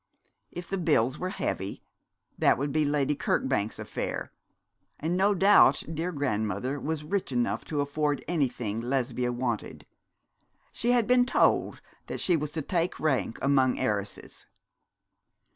If the bills were heavy, that would be Lady Kirkbank's affair; and no doubt dear grandmother was rich enough to afford anything Lesbia wanted. She had been told that she was to take rank among heiresses.